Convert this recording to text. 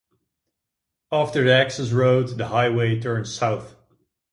After the access road, the highway turns south.